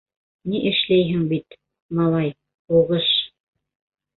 — Ни эшләйһең бит, малай, һуғыш...